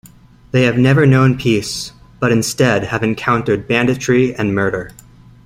They have never known peace, but instead have encountered banditry and murder.